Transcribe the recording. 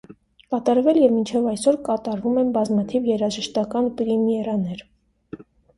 Կատարվել և մինչև այսօր կատարվում են բազմաթիվ երաժշտական պրեմիերաներ։